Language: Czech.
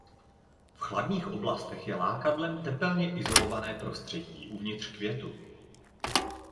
V chladných oblastech je lákadlem tepelně izolované prostředí uvnitř květu.